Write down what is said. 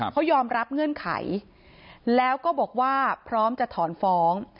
เขายอมรับเงื่อนไขแล้วก็บอกว่าพร้อมจะถอนฟ้อง